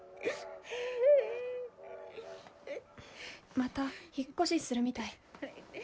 また引っ越しするみたい。